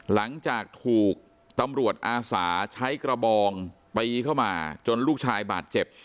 หลังจากถูกตำรวจอาสาใช้กระบองตีเข้ามาจนลูกชายบาดเจ็บ